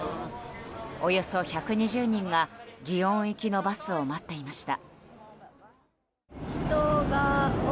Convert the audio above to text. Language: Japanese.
およそ１２０人が祗園行きのバスを待っていました。